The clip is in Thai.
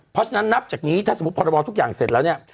เพราะฉะนั้นนับจากนี้ถ้าสมมุติพรบทุกอย่างเสร็จแล้วเนี่ย